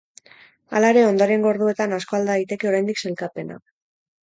Hala ere, ondorengo orduetan asko alda daiteke oraindik sailkapena.